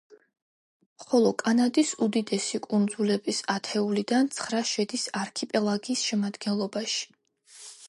ხოლო კანადის უდიდესი კუნძულების ათეულიდან ცხრა შედის არქიპელაგის შემადგენლობაში.